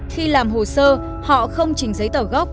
khi làm hồ sơ họ không trình giấy tờ gốc